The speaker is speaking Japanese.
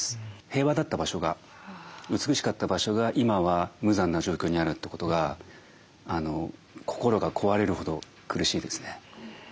平和だった場所が美しかった場所が今は無残な状況にあるってことが心が壊れるほど苦しいですね。